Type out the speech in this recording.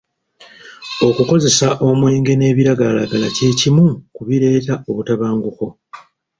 Okukozesa omwenge n'ebiragalalagala kye kimu ku bireeta obutabanguko.